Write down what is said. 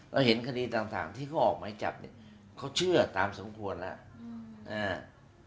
เห็นคดีต่างที่เขาออกหมายจับเนี่ยเขาเชื่อตามสมควรแล้ว